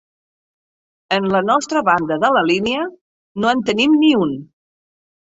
En la nostra banda de la línia no en teníem ni un